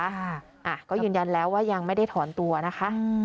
อ่าก็ยืนยันแล้วว่ายังไม่ได้ถอนตัวนะคะ